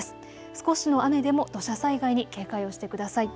少しの雨でも土砂災害に警戒をしてください。